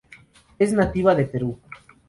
Es nativa de Perú.